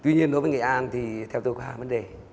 nhưng đối với nghệ an thì theo tôi có hai vấn đề